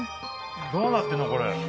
どうなってるのこれ？